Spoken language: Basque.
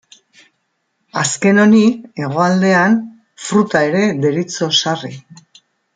Azken honi, Hegoaldean, fruta ere deritzo sarri.